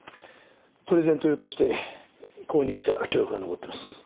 プレゼント用として購入した記録が残ってます。